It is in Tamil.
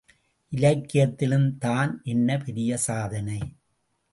இலக்கியத்திலும் தான் என்ன பெரிய சாதனை?